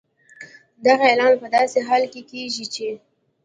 دغه اعلان په داسې حال کې کېږي چې